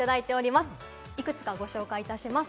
いくつかご紹介します。